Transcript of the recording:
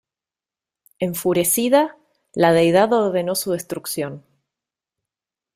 Enfurecida la deidad ordenó su destrucción.